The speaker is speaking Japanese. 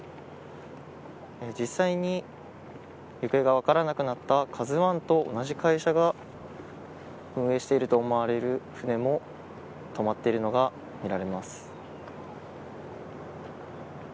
実際に、行方が分からなくなったＫＡＺＵ１と同じ会社が運営していると思われる船も止まっているのが見られます。